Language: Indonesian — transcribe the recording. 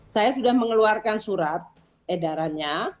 saya sudah mengeluarkan surat edarannya